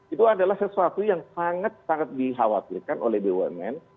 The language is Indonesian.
itu adalah sesuatu yang sangat sangat dikhawatirkan oleh bumn